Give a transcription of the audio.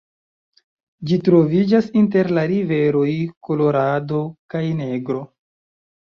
Ĝi troviĝas inter la riveroj Kolorado kaj Negro.